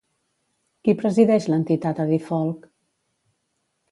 Qui presideix l'entitat Adifolk?